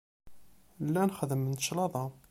Llan xeddment claṭa.